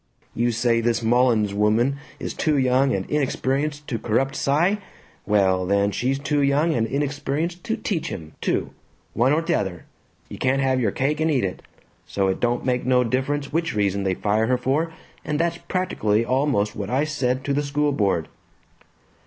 You say this Mullins woman is too young and inexperienced to corrupt Cy. Well then, she's too young and inexperienced to teach him, too, one or t'other, you can't have your cake and eat it! So it don't make no difference which reason they fire her for, and that's practically almost what I said to the school board."